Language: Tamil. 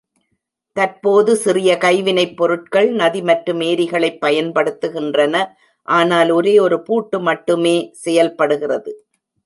தற்போது சிறிய கைவினைப்பொருட்கள் நதி மற்றும் ஏரிகளைப் பயன்படுத்துகின்றன, ஆனால் ஒரே ஒரு பூட்டு மட்டுமே செயல்படுகிறது.